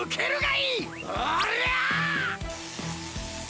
おりゃ！